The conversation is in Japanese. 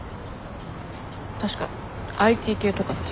確かＩＴ系とかって。